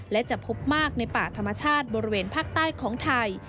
และจะพบมากในป่าธรรมชาติบริเวณภาคใต้ของไทย